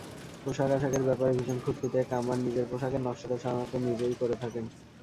পোশাক-আশাকের ব্যাপারে ভীষণ খুঁতখুঁতে কামার নিজের পোশাকের নকশাটা সাধারণত নিজেই করে থাকেন।